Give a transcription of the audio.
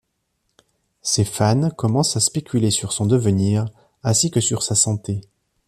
Ses fans commencent à spéculer sur son devenir ainsi que sur sa santé.